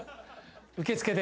受付で。